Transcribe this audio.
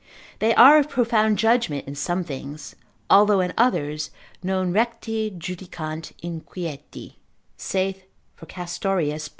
They are of profound judgment in some things, although in others non recte judicant inquieti, saith Fracastorius, lib.